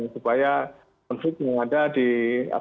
dan itu yang kita juga sadarkan